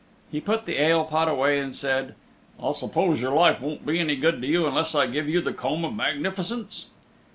He put the ale pot away and said, "I suppose your life won't be any good to you unless I give you the Comb of Magnificence?"